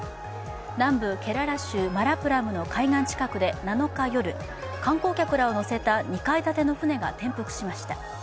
南部ケララ州マラプラムの海岸近くで７日夜、観光客らを乗せた２階建ての船が転覆しました。